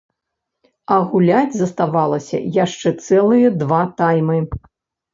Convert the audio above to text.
А гуляць заставалася яшчэ цэлыя два таймы.